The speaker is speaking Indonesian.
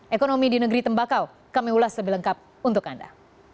ekonomi di negeri tembakau kami ulas lebih lengkap untuk anda